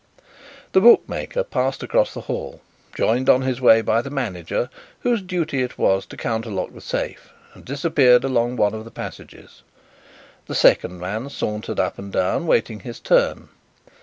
The bookmaker passed across the hall, joined on his way by the manager whose duty it was to counterlock the safe, and disappeared along one of the passages. The second man sauntered up and down, waiting his turn.